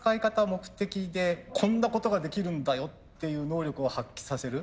目的でこんなことができるんだよっていう能力を発揮させる。